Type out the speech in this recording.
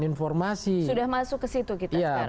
informasi sudah masuk ke situ kita sekarang